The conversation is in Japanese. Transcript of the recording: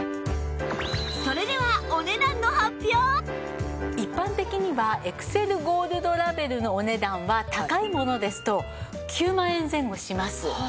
それでは一般的にはエクセルゴールドラベルのお値段は高いものですと９万円前後します。